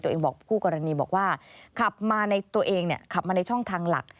ตัวเองบอกว่าขับมาในช่องทางหลัก